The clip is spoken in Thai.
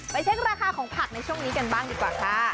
เช็คราคาของผักในช่วงนี้กันบ้างดีกว่าค่ะ